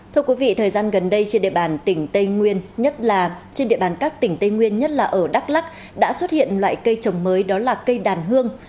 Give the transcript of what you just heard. thưa quý vị thời gian gần đây trên địa bàn các tỉnh tây nguyên nhất là ở đắk lắc đã xuất hiện loại cây trồng mới đó là cây đàn hương